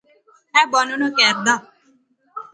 اے بانو نا کہر زا